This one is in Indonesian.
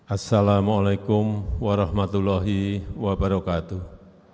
assalamu'alaikum warahmatullahi wabarakatuh